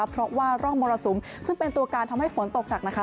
เพราะว่าร่องมรสุมซึ่งเป็นตัวการทำให้ฝนตกหนักนะคะ